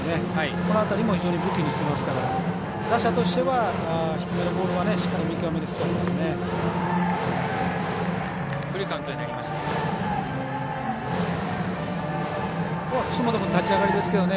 この辺りも非常に武器にしていますから打者としては低めのボールはしっかり見極める必要ありますね。